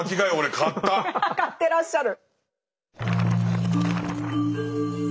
買ってらっしゃる。